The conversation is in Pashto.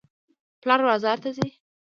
پلار بازار ته ځي.